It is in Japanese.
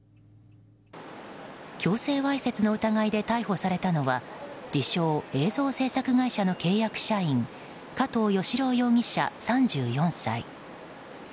強制わいせつの疑いで逮捕されたのは自称、映像制作会社の契約社員加藤義郎容疑者、３４歳。